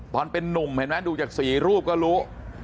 ตอนเป็นนุ่มเห็นไหมดูจาก๔รูปก็รู้